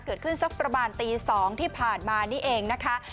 เกิดขึ้นสักประมาณตี๒ที่ผ่านมานี่เองนะครับ